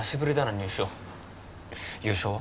入賞優勝は？